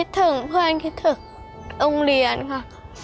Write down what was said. ถึงเพื่อนคิดถึงโรงเรียนค่ะ